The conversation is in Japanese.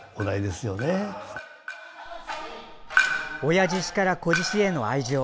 親獅子から子獅子への愛情。